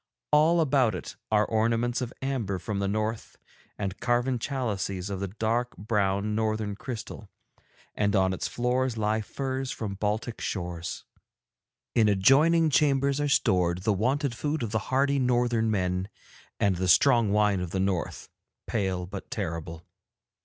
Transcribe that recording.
'All about it are ornaments of amber from the North and carven chalices of the dark brown Northern crystal, and on its floors lie furs from Baltic shores. 'In adjoining chambers are stored the wonted food of the hardy Northern men, and the strong wine of the North, pale but terrible.